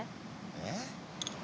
えっ？